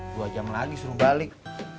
dua jam lagi suruh balik